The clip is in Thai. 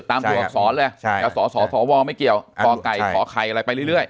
ตามตัวอักษรเลยจะสสวไม่เกี่ยวกไก่ขอไข่อะไรไปเรื่อย